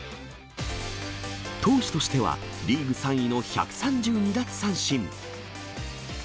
投手としてはリーグ３位の１３２奪三振。